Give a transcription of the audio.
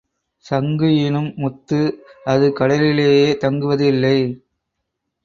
சங்கு ஈனும் முத்து அது கடலிலேயே தங்குவது இல்லை.